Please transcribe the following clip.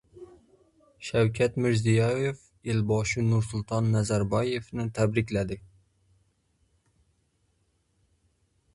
Shavkat Mirziyoyev Elboshi Nursulton Nazarboyevni tabrikladi